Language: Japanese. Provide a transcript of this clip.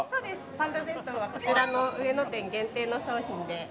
パンダ弁当はこちらの上野店限定の商品で。